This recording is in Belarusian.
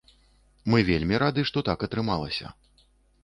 Мы вельмі рады, што так атрымалася.